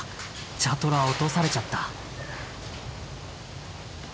茶トラ落とされちゃった。